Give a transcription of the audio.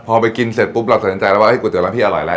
พอไปกินเสร็จปุ๊บเราสนใจแล้วว่าก๋วเตี๋ร้านพี่อร่อยอะไร